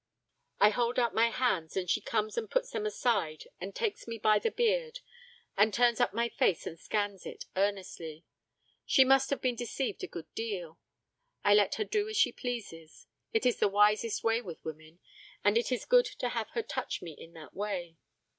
I hold out my hands and she comes and puts them aside and takes me by the beard and turns up my face and scans it earnestly. She must have been deceived a good deal. I let her do as she pleases, it is the wisest way with women, and it is good to have her touch me in that way.